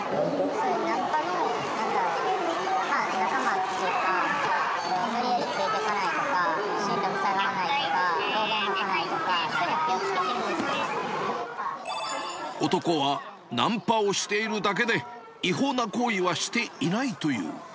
そう、ナンパの、まあ、仲間というか、無理やりついていかないとか、進路塞がないとか、暴言を吐かないとか、そういうのは気をつけて男はナンパをしているだけで、違法な行為はしていないという。